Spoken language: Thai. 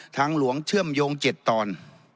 ทางหลวงเชื่อมโยง๗ตอน